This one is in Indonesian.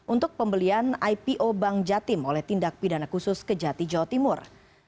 untuk pembelian ipo bank jatim oleh tindak pidana khusus kejati jawa timur